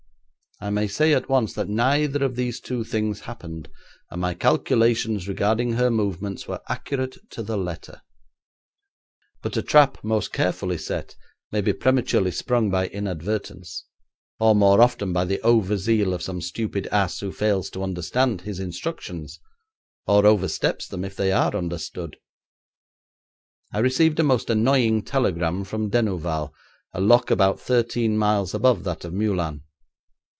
I may say at once that neither of these two things happened, and my calculations regarding her movements were accurate to the letter. But a trap most carefully set may be prematurely sprung by inadvertence, or more often by the over zeal of some stupid ass who fails to understand his instructions, or oversteps them if they are understood. I received a most annoying telegram from Denouval, a lock about thirteen miles above that of Meulan.